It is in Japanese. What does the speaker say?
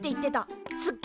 すっげ！